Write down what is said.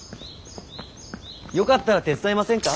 よかったら手伝いませんか？